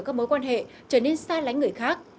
các mối quan hệ trở nên xa lánh người khác